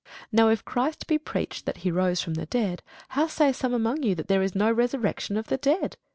Now if Christ be preached that he rose from the dead, how say some among you that there is no resurrection of the dead?